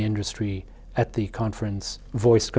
ini sangat beresiko